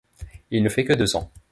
Il ne fait que deux ans.